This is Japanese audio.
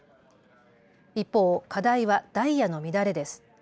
一方、課題はダイヤの乱れです。